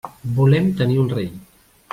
Volem tenir un rei.